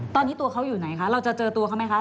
ตอนนี้ตัวเขาอยู่ไหนคะเราจะเจอตัวเขาไหมคะ